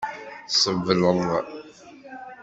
Sebleḍ.